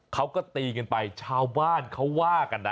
เขาก็ตีกันไปชาวบ้านเขาว่ากันนะ